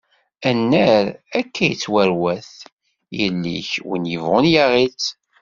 Annar, akka i yettarwat, yelli-k win yebɣun yaɣ-itt.